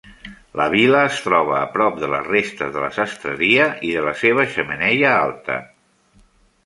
La vila es troba a prop de les restes de la sastreria i de la seva xemeneia alta.